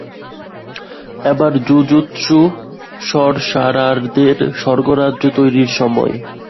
এবার জুজুৎসু সর্সারারদের স্বর্গরাজ্য তৈরির সময়।